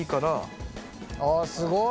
あすごい！